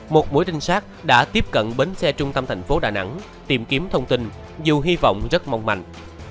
một mối trinh sát đã tiếp cận bến xe trung tâm thành phố đà nẵng tìm kiếm thông tin dù hy vọng rất mong manh